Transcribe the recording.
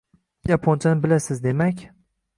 — Yaponchani bilasiz, demak?